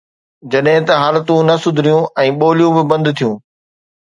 جڏهن ته حالتون نه سڌريون ۽ ٻوليون به بند ٿيون.